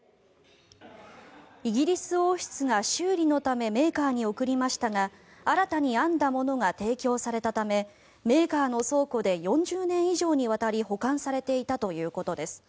イギリス王室が修理のためメーカーに送りましたが新たに編んだものが提供されたためメーカーの倉庫で４０年以上にわたり保管されていたということです。